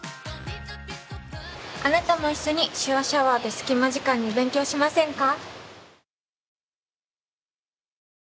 あなたも一緒に「手話シャワー」で隙間時間に勉強しませんか？